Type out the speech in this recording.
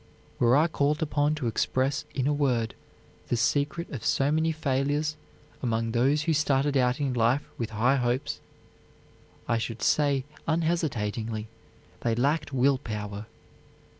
Were I called upon to express in a word the secret of so many failures among those who started out in life with high hopes, I should say unhesitatingly, they lacked will power.